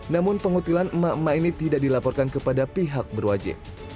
namun pengutilan emak emak ini tidak dilaporkan kepada pihak berwajib